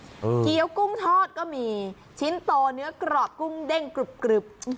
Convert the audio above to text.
เกี้ยวกุ้งทอดก็มีชิ้นโตเนื้อกรอบกุ้งเด้งกรุบ